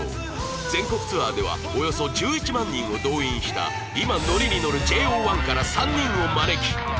全国ツアーではおよそ１１万人を動員した今ノリにのる ＪＯ１ から３人を招き